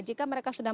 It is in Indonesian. jika mereka sudah